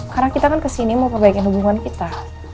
karena kita kan kesini mau perbaikin hubungan kita